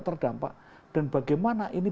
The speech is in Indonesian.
terdampak dan bagaimana ini